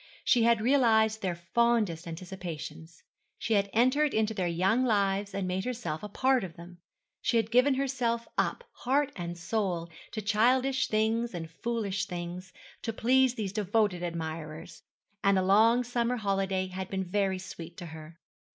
She had realized their fondest anticipations. She had entered into their young lives and made herself a part of them. She had given herself up, heart and soul, to childish things and foolish things, to please these devoted admirers; and the long summer holiday had been very sweet to her.